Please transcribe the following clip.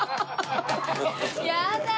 やだ！